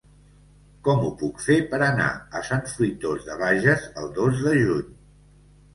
Com ho puc fer per anar a Sant Fruitós de Bages el dos de juny?